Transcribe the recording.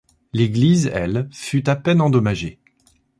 L’église, elle, fut à peine endommagée.